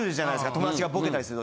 友達がボケたりすると。